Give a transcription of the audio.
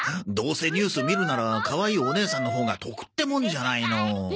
どうせニュース見るならかわいいお姉さんのほうが得ってもんじゃないの。